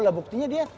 lah buktinya dia